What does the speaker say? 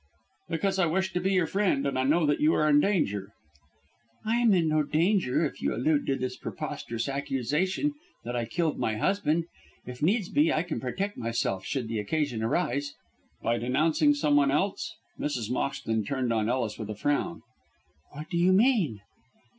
"Because I wish to be your friend, and I know that you are in danger." "I am in no danger if you allude to this preposterous accusation that I killed my husband. If needs be I can protect myself should the occasion arise." "By denouncing someone else?" Mrs. Moxton turned on Ellis with a frown. "What do you mean?"